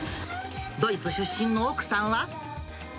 ドイツ出身の奥さんは。